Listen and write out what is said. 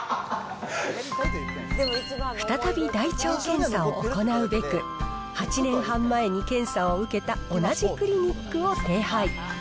再び大腸検査を行うべく、８年半前に検査を受けた同じクリニックを手配。